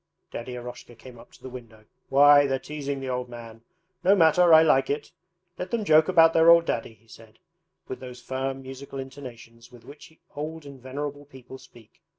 Daddy Eroshka came up to the window. 'Why, they're teasing the old man. No matter, I like it. Let them joke about their old daddy,' he said with those firm musical intonations with which old and venerable people speak.